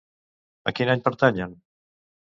A quin any pertanyen?